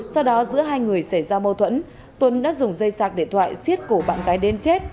sau đó giữa hai người xảy ra mâu thuẫn tuân đã dùng dây sạc điện thoại xiết cổ bạn gái đến chết